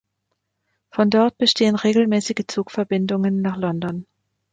Von dort bestehen regelmäßige Zugverbindungen nach London.